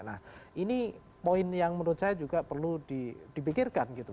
nah ini poin yang menurut saya juga perlu dipikirkan gitu